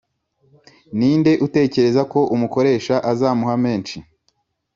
Ni nde utekereza ko umukoresha azamuha menshi